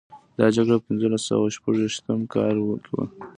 دا جګړه په پنځلس سوه او شپږویشتم کال کې وه.